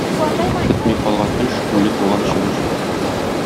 Бетми калган эш — үле туган чебеш.